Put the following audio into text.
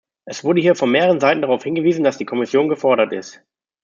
Es wurde hier von mehreren Seiten darauf hingewiesen, dass die Kommission gefordert ist.